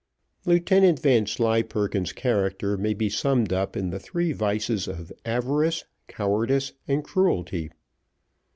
Lieutenant Vanslyperken's character may be summed up in the three vices of avarice, cowardice, and cruelty.